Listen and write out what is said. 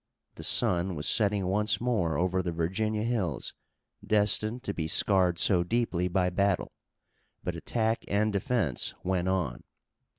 The sun was setting once more over the Virginia hills destined to be scarred so deeply by battle, but attack and defense went on.